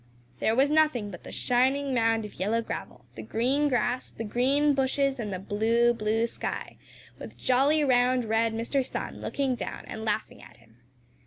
There was nothing but the shining mound of yellow gravel, the green grass, the green bushes and the blue, blue sky, with jolly, round, red Mr. Sun looking down and laughing at him.